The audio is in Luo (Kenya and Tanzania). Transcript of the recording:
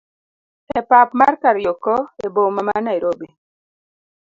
e pap mar kariokor e boma ma Nairobi